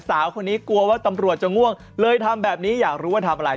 สาวคนนี้กลัวว่าตำรวจจะง่วงเลยทำแบบนี้อยากรู้ว่าทำอะไร